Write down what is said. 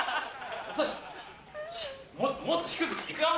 もっと低くしていくよ。